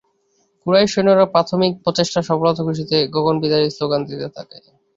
কুরাইশ সৈন্যরা প্রাথমিক প্রচেষ্টার সফলতায় খুশিতে গগনবিদারী শ্লোগান দিতে থাকে।